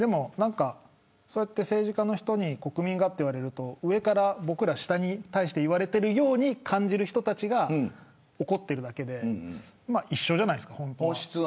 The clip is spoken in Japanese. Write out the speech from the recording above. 政治家の人に国民がって言われると上から僕ら下に対して言われてるように感じる人たちが怒っているだけで一緒じゃないですか。